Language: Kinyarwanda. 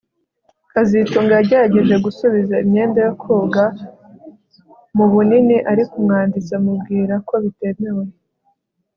kazitunga yagerageje gusubiza imyenda yo koga mu bunini ariko umwanditsi amubwira ko bitemewe